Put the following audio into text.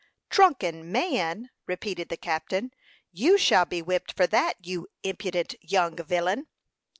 "Drunken man!" repeated the captain. "You shall be whipped for that, you impudent young villain!"